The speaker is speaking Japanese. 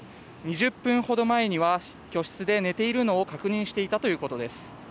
２０分ほど前には居室で寝ているのを確認していたということです。